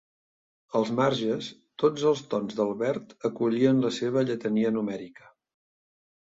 Als marges, tots els tons del verd acollien la seva lletania numèrica.